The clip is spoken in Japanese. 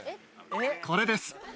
これです。